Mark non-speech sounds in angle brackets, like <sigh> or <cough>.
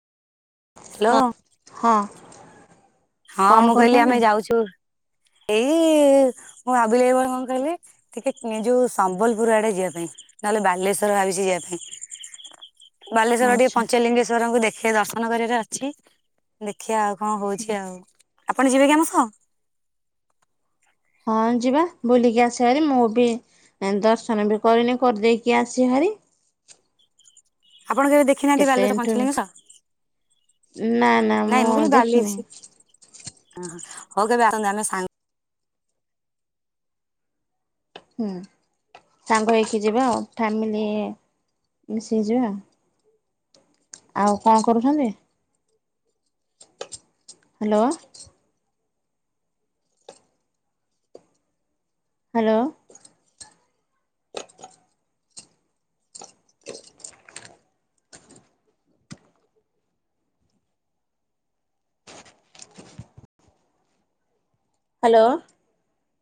ହଁ ହ୍ୟାଲୋ ହଁ ହଁ, କଣ ମୁଁ କହିଲି କରୁଛନ୍ତି? ଆମେ ଯାଉଛୁ ଏଇ ମୁଁ ଭାବିଲି, ଏଇ <unintelligible> ବେଳ କଣ କହିଲେ -ଟିକେ ଏ ଯୋଉ ସମ୍ବଲପୁର ଆଡେ ଯିବା ପାଇଁ ନହେଲେ ବାଲେଶ୍ଵର ଭାବିଛି ଯିବା ପାଇଁ ବାଲେଶ୍ଵର ଟିକେ ଆଚ୍ଛା ପଞ୍ଚଲିଙ୍ଗେଶ୍ଵରଙ୍କୁ ଦେଖିବା ଦର୍ଶନ କରିବାରେ ଅଛି, ଦେଖିବା ଆଉ କଣ ହଉଛି? ଆ <unintelligible> ଆଉ ଆପଣ ଯିବେ କି ଆମ ସହ? ହଁ ଯିବା, ବୁଲିକି ଆସିବାଭାରି, ମୁଁ ବି ଦର୍ଶନ ବି କରିନି କରିଦେଇକି ଆସିବ ଭାରି <inaudible> ଆପଣ କେବେ ଦେଖିନାହାନ୍ତି କେତେ -ବାଲେଶ୍ୱର ଏଠୁ ନା ପଞ୍ଚଇଲିଙ୍ଗେଶ୍ୱର? ନା ନାଇଁ ମୁଁ କହିଲି ବାଲି ଦେଖିନି <unintelligible> ଅସି ହଉ କେବେ <unintelligible> ଆସନ୍ତୁ ଆମେ ସାଙ୍ଗ ହୁଁ ସାଙ୍ଗ ହେଇକି ଯିବା ଆଉ ଫ୍ୟାମିଲି ମିଶିକି ଯିବା। ଆଉ କଣ କରୁଛନ୍ତି? Hello hello hello